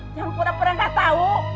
jangan pura pura gak tau